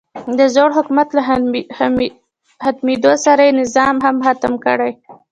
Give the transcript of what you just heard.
د زوړ حکومت له ختمېدو سره یې نظام هم ختم کړی.